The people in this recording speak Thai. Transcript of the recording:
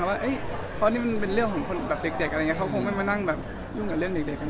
เพราะว่านี่เป็นเรื่องของคนเด็กเขาคงไม่มานั่งแบบยุ่งกับเล่นเด็กอันนี้มากกว่า